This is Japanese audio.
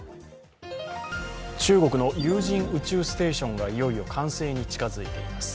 中国の有人宇宙ステーションがいよいよ完成に近づいています。